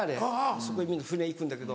そこへみんな船行くんだけど。